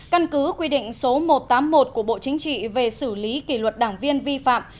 căn cứ quy định số một trăm tám mươi một của bộ chính trị về xử lý kỷ luật đảng viên vi phạm